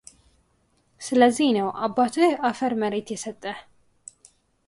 ስለዚህ ነው አባትህ አፈር መሬት የሰጠህ፡፡